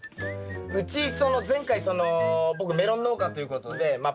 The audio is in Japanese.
うち前回その僕メロン農家ということでまあ